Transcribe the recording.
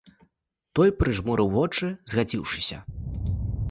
Той прыжмурыў вочы, згадзіўшыся.